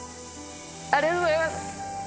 ありがとうございます。